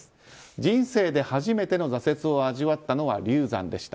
人生で初めての挫折を味わったのは流産でした。